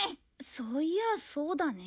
そういやそうだね。